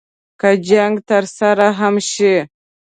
که جنګ ترسره هم شي.